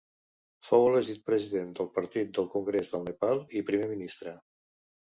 Fou elegit President del Partit del Congrés del Nepal, i Primer Ministre.